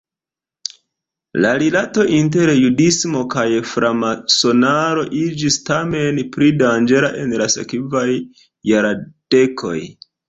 La rilato inter judismo kaj framasonaro iĝis tamen pli danĝera en la sekvaj jardekoj.